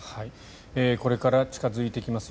これから近付いてきます